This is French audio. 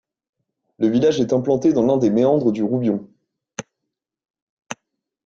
Le village est implanté dans l'un des méandres du Roubion.